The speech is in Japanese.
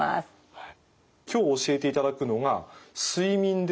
はい。